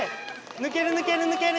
抜ける抜ける抜ける。